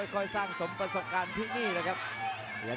ค่อยสร้างสมประสบการณ์ที่นี่แหละครับ